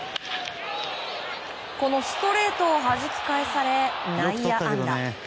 このストレートをはじき返され内野安打。